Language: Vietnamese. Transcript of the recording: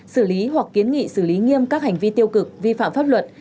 xử lý hoặc kiến nghị xử lý nghiêm các hành vi tiêu cực vi phạm pháp luật